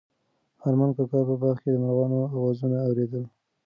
ارمان کاکا په باغ کې د مرغانو اوازونه اورېدل.